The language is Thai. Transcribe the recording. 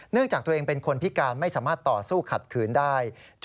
จากตัวเองเป็นคนพิการไม่สามารถต่อสู้ขัดขืนได้